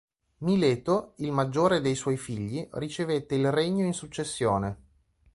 Mileto, il maggiore dei suoi figli, ricevette il regno in successione.